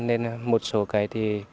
nên một số cái thì